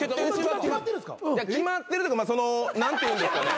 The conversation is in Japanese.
決まってるというか何ていうんですかね。